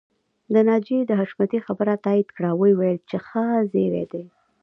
ناجيې د حشمتي خبره تاييد کړه او وويل چې ښه زيری دی